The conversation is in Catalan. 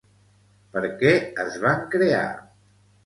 Per què es van crear?